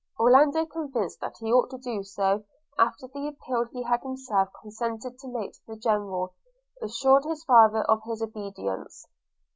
Orlando, convinced that he ought to do so, after the appeal he had himself consented to make to the General, assured his father of his obedience.